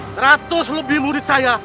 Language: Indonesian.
seratus lebih murid saya